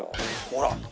ほら。